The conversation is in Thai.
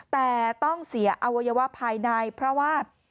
แต่ต้องเสียอวัยวะภายในเพราะว่า